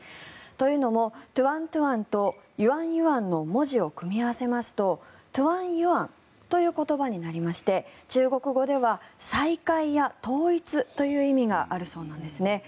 というのもトゥアン・トゥアンとユアン・ユアンの文字を組み合わせますとトゥアン・ユアンという言葉になりまして中国語では再会や統一という意味があるそうなんですね。